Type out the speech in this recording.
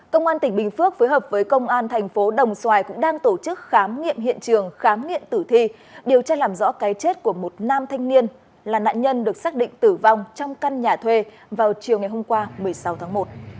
công an tỉnh bình phước phối hợp với công an thành phố đồng xoài cũng đang tổ chức khám nghiệm hiện trường khám nghiệm tử thi điều tra làm rõ cái chết của một nam thanh niên là nạn nhân được xác định tử vong trong căn nhà thuê vào chiều ngày hôm qua một mươi sáu tháng một